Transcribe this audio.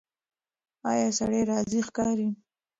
ایا سړی راضي ښکاري؟